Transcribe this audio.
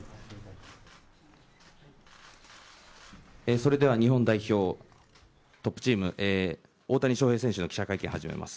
それでは日本代表、チーム、大谷翔平選手の記者会見を始めます。